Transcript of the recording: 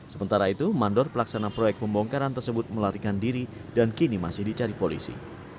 sementara itu mandor pelaksana proyek pembongkaran tersebut melarikan diri dan kini masih dicari polisi